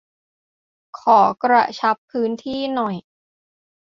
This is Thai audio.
ขอ"กระชับพื้นที่"หน่อย ?